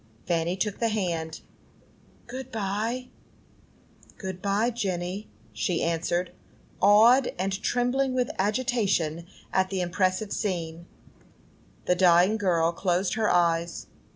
Fanny took the hand. "Good by." "Good by, Jenny," she answered, awed and trembling with agitation at the impressive scene. The dying girl closed her eyes.